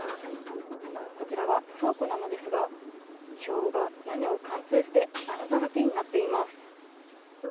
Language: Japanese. こちらは倉庫なのですがひょうが屋根を貫通して穴だらけになっています。